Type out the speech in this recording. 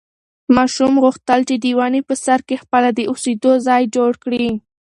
ماشوم غوښتل چې د ونې په سر کې خپله د اوسېدو ځای جوړ کړي.